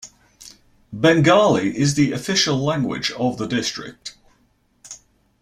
Bengali is the official language of the district.